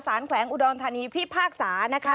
สารแขวงอุดรณฑรีพิพากษานะคะ